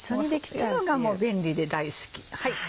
そういうのが便利で大好き。